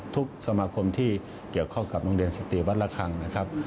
สมาคมที่เกี่ยวข้องกับโรงเรียนสติวัตรคังนะครับ